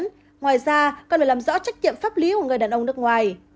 ngoài ra cần phải làm rõ trách nhiệm pháp lý của người đàn ông nước ngoài